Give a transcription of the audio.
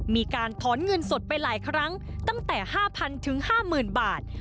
มีการถอนเงินสดไปหลายครั้งตั้งแต่๕๐๐ถึง๕๐๐บาท